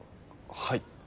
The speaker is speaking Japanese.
はい。